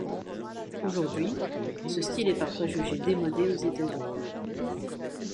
Aujourd'hui, ce style est parfois jugé démodé aux États-Unis.